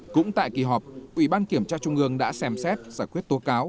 cũng tại kỳ họp ủy ban kiểm tra trung ương đã xem xét giải quyết tố cáo